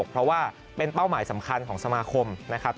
เพราะว่าเป็นเป้าหมายสำคัญของสมาคมนะครับ